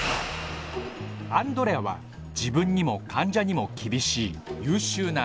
アンドレアは自分にも患者にも厳しい優秀な内科医。